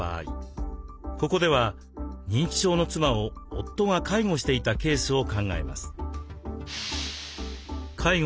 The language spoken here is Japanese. ここでは認知症の妻を夫が介護していたケースを考えます。